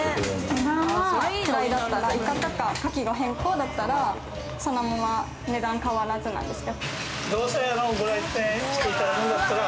値段はフライだったらイカとかカキの変更だったらそのまま値段変わらずなんです。